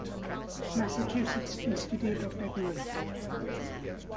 Massachusetts Institute of Technology.